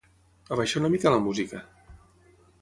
Abaixa una mica la música.